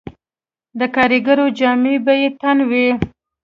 د کاریګرو جامې به یې تن وې